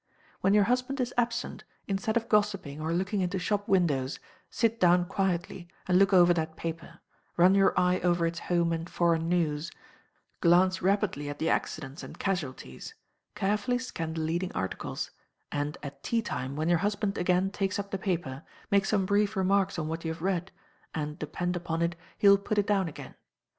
When your husband is absent, instead of gossiping or looking into shop windows, sit down quietly, and look over that paper; run your eye over its home and foreign news; glance rapidly at the accidents and casualties; carefully scan the leading articles; and at tea time, when your husband again takes up the paper, make some brief remarks on what you have read, and, depend upon it, he will put it down again.